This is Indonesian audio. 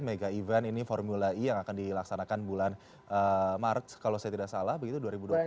mega event ini formula e yang akan dilaksanakan bulan maret kalau saya tidak salah begitu dua ribu dua puluh